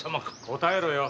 答えろよ！